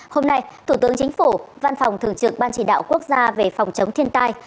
hôm nay thủ tướng chính phủ văn phòng thường trực ban chỉ đạo quốc gia về phòng chống thiên tai